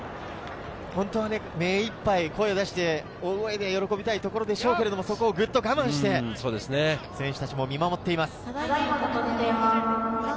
本当はめいいっぱい声を出して喜びたいところでしょうけど、ぐっと我慢して選手たちも見守っています。